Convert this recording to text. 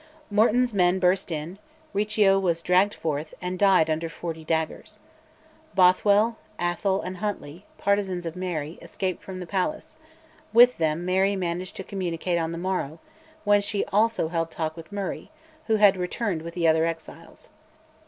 Morton's men burst in, Riccio was dragged forth, and died under forty daggers. Bothwell, Atholl, and Huntly, partisans of Mary, escaped from the palace; with them Mary managed to communicate on the morrow, when she also held talk with Murray, who had returned with the other exiles.